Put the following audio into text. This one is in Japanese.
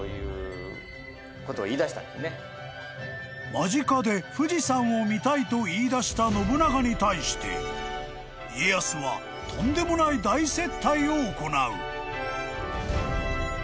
［間近で富士山を見たいと言いだした信長に対して家康はとんでもない大接待を行う］